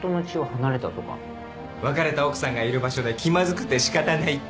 別れた奥さんがいる場所で気まずくて仕方ないって。